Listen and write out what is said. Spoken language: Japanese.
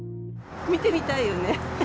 見てみたいよね？